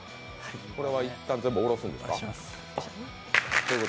これはいったん全部おろすんですか？